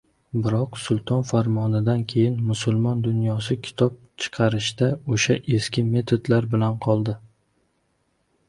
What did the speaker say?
Biroq sulton farmonidan keyin musulmon dunyosi kitob chiqarishda oʻsha eski metodlar bilan qoldi.